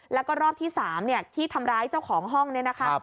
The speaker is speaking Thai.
แล้วก็รอบที่๓ที่ทำร้ายเจ้าของห้องเนี่ยนะคะ